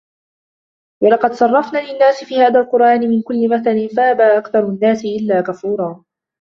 وَلَقَدْ صَرَّفْنَا لِلنَّاسِ فِي هَذَا الْقُرْآنِ مِنْ كُلِّ مَثَلٍ فَأَبَى أَكْثَرُ النَّاسِ إِلَّا كُفُورًا